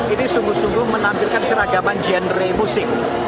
ini sungguh sungguh menampilkan keragaman genre musik